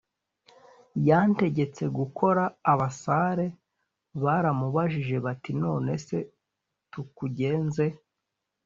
yantegetse gukora Abasare baramubajije bati none se tukugenze